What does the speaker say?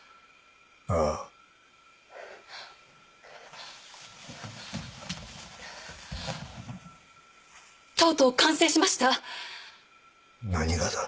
ああとうとう完成しました何がだ？